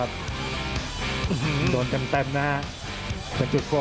อัศวินาศาสตร์